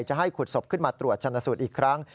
จะให้ขุดศพขึ้นมาตรวจชนะสูตรอีกครั้ง